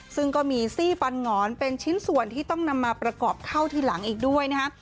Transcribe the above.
ซึ่งก็มีซี่ฟันหงอนเป็นชิ้นส่วนที่ต้องนำมาประกอบเข้าทีหลังอีกด้วยนะฮะ